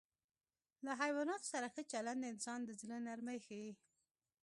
له حیواناتو سره ښه چلند د انسان د زړه نرمي ښيي.